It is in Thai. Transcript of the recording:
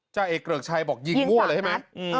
เจ้าเอกเกริกชัยบอกยิงมั่วเลยใช่ไหม